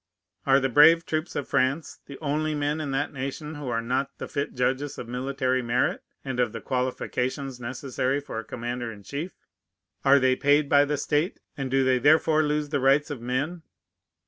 Are the brave troops of France the only men in that nation who are not the fit judges of military merit, and of the qualifications necessary for a commander in chief? Are they paid by the state, and do they therefore lose the rights of men?